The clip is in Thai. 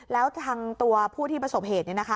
แล้วทางตัวผู้ที่ประสบเหตุเนี่ยนะคะ